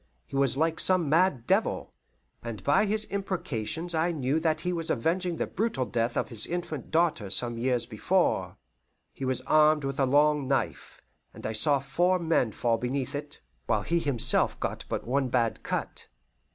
He was like some mad devil, and by his imprecations I knew that he was avenging the brutal death of his infant daughter some years before. He was armed with a long knife, and I saw four men fall beneath it, while he himself got but one bad cut.